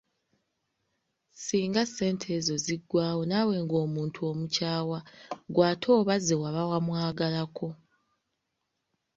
Singa ssente ezo ziggwaawo naawe ng'omuntu omukyawa gw'ate oba ze waba wamwagalako!